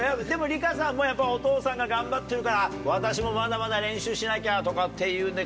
梨花さんもやっぱお父さんが頑張ってるから私もまだまだ練習しなきゃとかっていう。